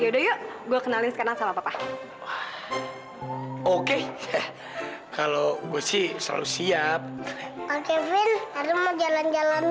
ya udah yuk gua kenalin sekarang sama papa oke kalau gue sih selalu siap oke vin ada mau jalan jalan